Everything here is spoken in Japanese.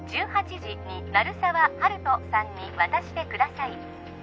１８時に鳴沢温人さんに渡してください